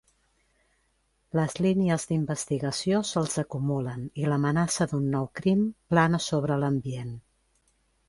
Les línies d'investigació se'ls acumulen i l'amenaça d'un nou crim plana sobre l'ambient.